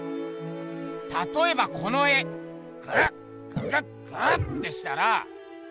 たとえばこの絵グッググッグッてしたら。